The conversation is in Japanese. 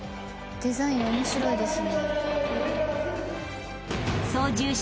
デザイン面白いですね。